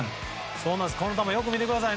この球よく見てください。